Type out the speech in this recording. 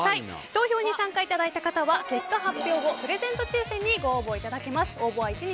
投票に参加いただいた方は結果発表後プレゼント抽選にご応募いただけます。